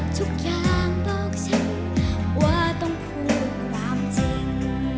ทุกอย่างบอกฉันว่าต้องพูดความจริง